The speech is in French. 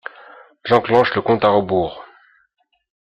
J’enclenche le compte à rebours.